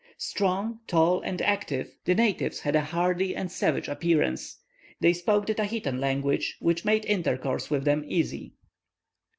Strong, tall, and active, the natives had a hardy and savage appearance. They spoke the Tahitan language, which made intercourse with them easy.